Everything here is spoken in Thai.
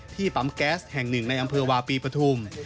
ปั๊มแก๊สแห่งหนึ่งในอำเภอวาปีปฐุม